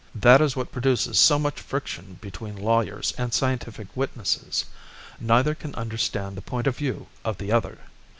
That is what produces so much friction between lawyers and scientific witnesses; neither can understand the point of view of the other.